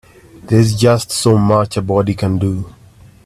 There's just so much a body can do.